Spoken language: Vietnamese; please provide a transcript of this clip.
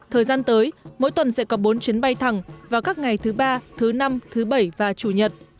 thời gian tới mỗi tuần sẽ có bốn chuyến bay thẳng vào các ngày thứ ba thứ năm thứ bảy và chủ nhật